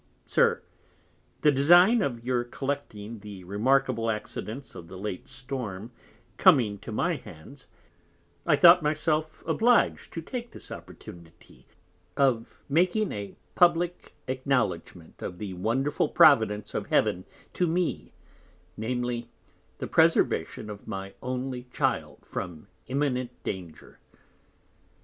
SIR, The Design of your Collecting the remarkable Accidents of the late Storm coming to my Hands, I thought my self obliged to take this Opportunity of making a publick Acknowledgment of the wonderful Providence of Heaven to me, namely, the Preservation of my only Child from imminent Danger.